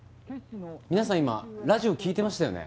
皆さん今ラジオ聴いてましたよね？